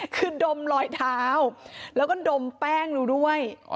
คือดมรอยเท้าแล้วก็ดมแป้งดูด้วย